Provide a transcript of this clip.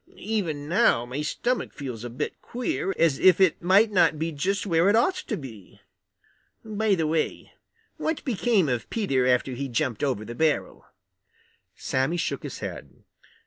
Even now my stomach feels a bit queer, as if it might not be just where it ought to be. By the way, what became of Peter after he jumped over the barrel?" Sammy shook his head.